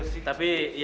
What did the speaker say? rama sudah banyak bantu